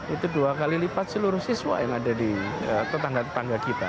itu dua kali lipat seluruh siswa yang ada di tetangga tetangga kita